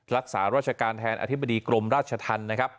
รักษาราชการแทนอธิบดีกรมราชทัน